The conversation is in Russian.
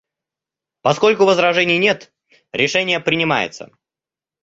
Поскольку возражений нет, решение принимается.